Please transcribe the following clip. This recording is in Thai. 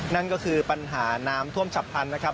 นั่นก็คือปัญหาน้ำท่วมฉับพันธุ์นะครับ